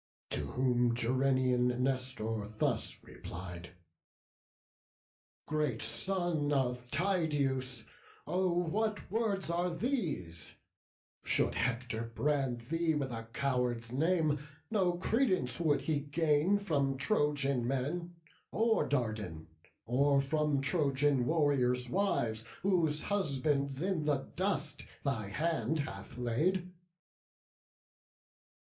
To whom Gerenian Nestor thus replied: "Great son of Tydeus, oh what words are these! Should Hector brand thee with a coward's name, No credence would he gain from Trojan men, Or Dardan, or from Trojan warriors' wives, Whose husbands in the dust thy hand hath laid."